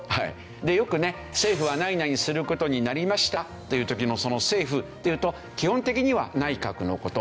よくね「政府は何々する事になりました」という時のその「政府」っていうと基本的には内閣の事。